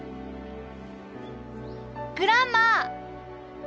グランマ！